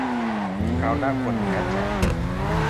คราวหน้าควรมีแฮชแท็ก